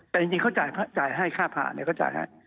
แต่จริงเขาจ่ายให้ค่าผ่าเนี่ย